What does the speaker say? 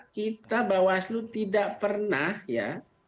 kita bawaslu tidak pernah ya